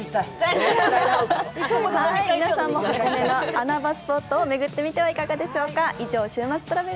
皆さんも穴場スポットを巡ってみてはいかがでしょうか。